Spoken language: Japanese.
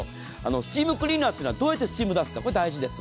スチームクリーナーはどうやってスチームを出すかが大事です。